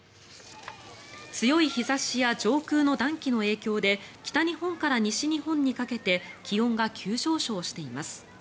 強い日差しや上空の暖気の影響で北日本から西日本にかけて気温が急上昇しています。